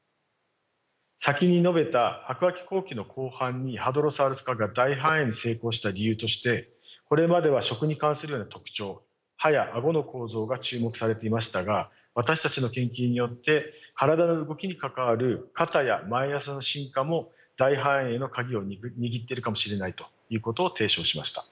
先に述べた白亜紀後期の後半にハドロサウルス科が大繁栄に成功した理由としてこれまでは食に関する特徴歯や顎の構造が注目されていましたが私たちの研究によって体の動きに関わる肩や前肢の進化も大繁栄の鍵を握ってるかもしれないということを提唱しました。